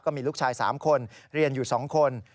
มีลูกชาย๓คนเรียนอยู่๒คน